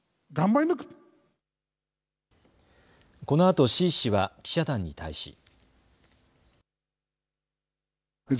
このあと志位氏は記者団に対し。